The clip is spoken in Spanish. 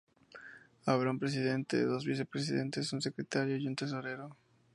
Habrá un presidente, dos vicepresidentes, un secretario y un tesorero.